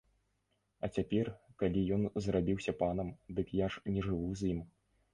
А цяпер, калі ён зрабіўся панам, дык я ж не жыву з ім.